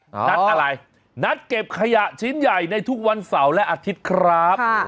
นัดอะไรนัดเก็บขยะชิ้นใหญ่ในทุกวันเสาร์และอาทิตย์ครับ